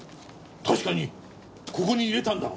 確かにここに入れたんだが。